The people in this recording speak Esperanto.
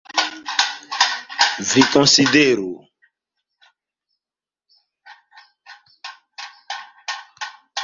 Vi konsideru!